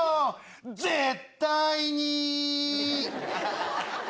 絶対に。